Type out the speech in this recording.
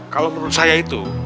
kalo menurut saya itu